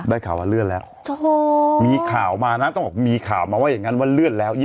ข่าวว่าเลื่อนแล้วมีข่าวมานะต้องบอกมีข่าวมาว่าอย่างนั้นว่าเลื่อนแล้ว